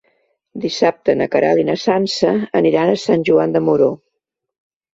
Dissabte na Queralt i na Sança aniran a Sant Joan de Moró.